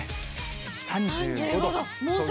３５度と。